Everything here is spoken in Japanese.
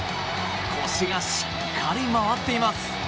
腰がしっかり回っています。